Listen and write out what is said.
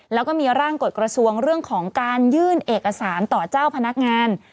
แล้วก็มีร่างกฎกระทรวงเรื่องของการยื่นเอกสารต่อเจ้าพนักงาน